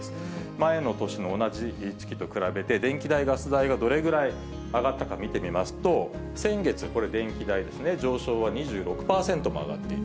前の年の同じ月と比べて、電気代、ガス代がどれぐらい上がったか見てみますと、先月、これ電気代ですね、上昇は２６％も上がっていた。